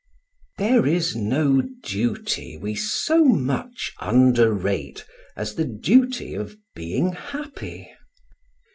There is no duty we so much underrate as the duty of being happy.